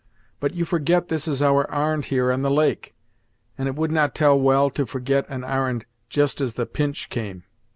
But you forget this is our ar'n'd here on the lake, and it would not tell well to forget an ar'n'd just as the pinch came.